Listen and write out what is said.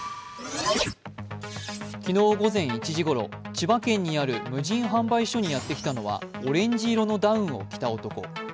昨日午前１時ごろ、千葉県にある無人販売所にやってきたのはオレンジ色のダウンを着た男。